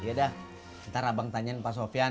iya dah ntar abang tanyain pak sofyan